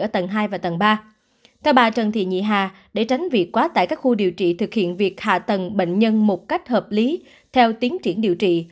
theo bà trần thị nhị hà để tránh việc quá tải các khu điều trị thực hiện việc hạ tầng bệnh nhân một cách hợp lý theo tiến triển điều trị